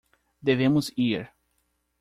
Devemos ir